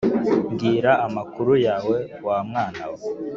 mbwira amakuru yawe wa mwana we